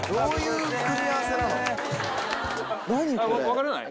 分からない？